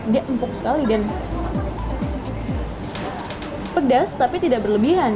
dia empuk sekali dan pedas tapi tidak berlebihan